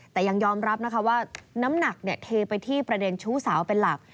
แต่ยังยอมรับนะคะว่าน้ำหนักเทไปที่ประเด็นชู้สาวเป็นหลัก